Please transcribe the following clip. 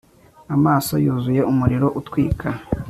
Amaso yuzuye umuriro utwika